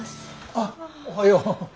あおはよう。